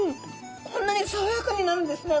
こんなにさわやかになるんですね。